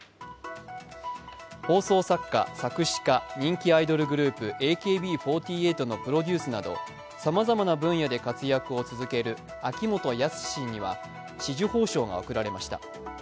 放送作家、作詞家、人気アイドルグループＡＫＢ４８のプロデュースなど、さまざまな分野で活躍を続ける秋元康氏には紫綬褒章が贈られました。